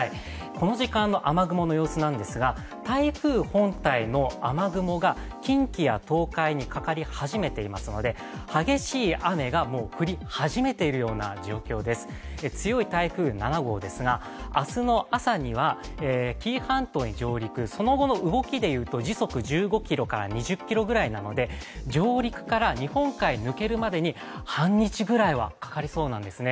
この時間の雨雲の様子ですが台風本体の雨雲が近畿や東海にかかり始めていますので激しい雨がもう降り始めているような状況です強い台風７号ですが、明日の朝には紀伊半島に上陸、その後の動きでいうと時速１５２０キロぐらいなので上陸から日本海抜けるまでに半日ぐらいはかかりそうなんですね。